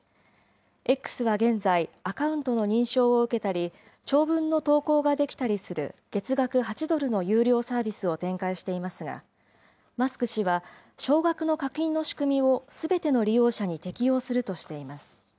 Ｘは現在、アカウントの認証を受けたり、長文の投稿ができたりする月額８ドルの有料サービスを展開していますが、マスク氏は、少額の課金の仕組みをすべての利用者に適用するとしています。